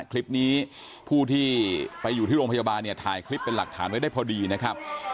คลิปนี้ผู้ที่ไปอยู่ที่โรงพยาบาลเนี่ยถ่ายคลิปเป็นหลักฐานไว้ได้พอดีนะครับ